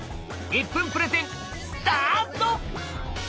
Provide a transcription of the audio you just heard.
１分プレゼンスタート！